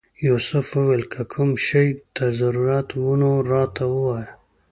یوسف وویل که کوم شي ته ضرورت و نو راته ووایه.